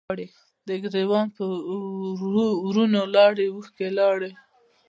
د ګریوان په ورونو لارې، اوښکې لارې